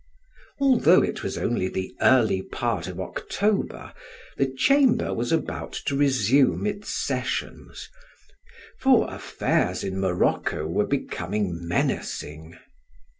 Although it was only the early part of October, the chamber was about to resume its sessions, for affairs in Morocco were becoming menacing.